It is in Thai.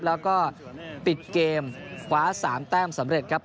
แล้วก็ปิดเกมคว้า๓แต้มสำเร็จครับ